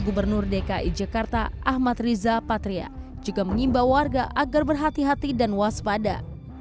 gubernur dki jakarta ahmad riza patria juga mengimbau warga agar berhati hati dan waspada